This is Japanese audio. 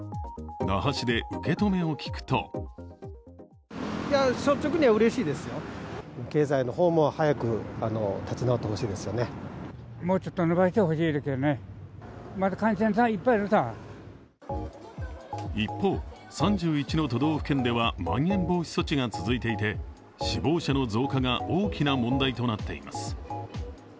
那覇市で受け止めを聞くと一方、３１の都道府県ではまん延防止措置が続いていて死亡者の増加が大きな問題となっています。